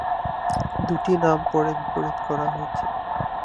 দুটি নাম পরে বিপরীত করা হয়েছে।